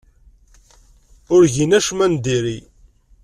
Ur gin acemma n diri.